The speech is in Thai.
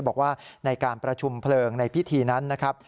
บอกว่าในการประชุมเพลิงในพิธีนั้นนะครับ